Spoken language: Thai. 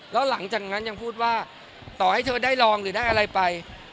แล้วหลังจากนั้นยังพูดว่าต่อให้เธอได้รองหรือได้อะไรไป